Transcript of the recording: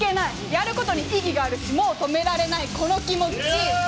やることに意義があるしもう止められないこの気持ち！